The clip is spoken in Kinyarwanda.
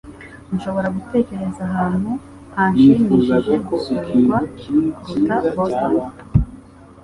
Ndashobora gutekereza ahantu hashimishije gusurwa kuruta Boston.